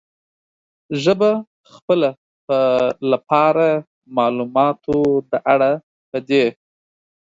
ژبه خپله په لپاره، معلوماتو د اړه پدې